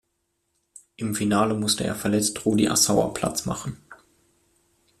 Im Finale musste er verletzt Rudi Assauer Platz machen.